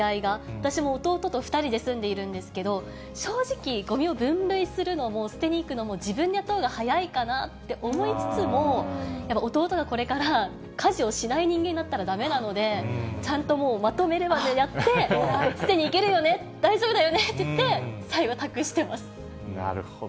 私も弟と２人で住んでいるんですけれども、正直、ごみを分類するのも、捨てに行くのも、自分でやったほうが早いかなって、思いつつも、やっぱ弟がこれから家事をしない人間になったらだめなので、ちゃんともうまとめるまでやって、捨てに行けるよね、大丈夫だよね？って言って、なるほど。